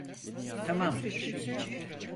Tamamdır!